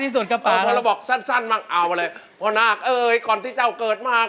ถึงพ่อนาคก่อนที่เจ้าเกิดมา